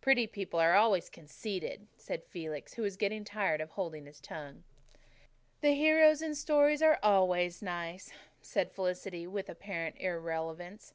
"Pretty people are always conceited," said Felix, who was getting tired of holding his tongue. "The heroes in stories are always nice," said Felicity, with apparent irrelevance.